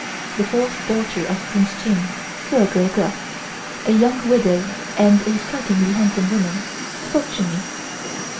The fourth daughter of Prince Ching (Sze Gurgur), a young widow and a strikingly handsome woman, spoke to me.